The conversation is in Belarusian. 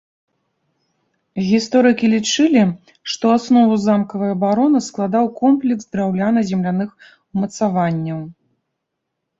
Гісторыкі лічылі, што аснову замкавай абароны складаў комплекс драўляна-земляных умацаванняў.